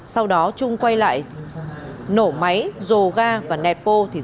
sau đó trung quay lại nổ máy dồ ga và nẹt pô